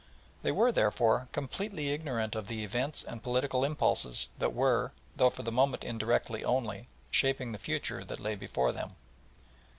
They were, therefore, completely ignorant of the events and political impulses that were, though for the moment indirectly only, shaping the future that lay before them.